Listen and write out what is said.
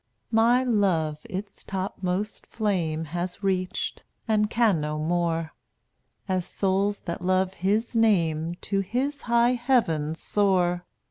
207 My love its topmost flame Has reached, and can no more, As souls that love His name To His high heaven soar.